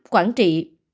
tám quảng trị